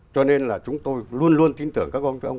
cho nên là chúng tôi luôn luôn tin tưởng các ông